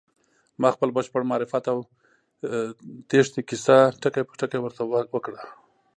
ما خپل بشپړ معرفت او تېښتې کيسه ټکی په ټکی ورته وکړه.